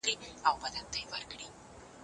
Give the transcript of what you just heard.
ورور مو شهید کړ په وراره کي مو چړې ماتي کړې